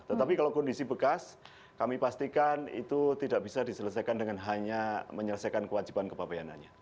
tetapi kalau kondisi bekas kami pastikan itu tidak bisa diselesaikan dengan hanya menyelesaikan kewajiban kepabianannya